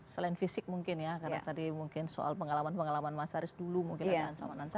selain fisik mungkin ya karena tadi mungkin soal pengalaman pengalaman mas haris dulu mungkin ada ancaman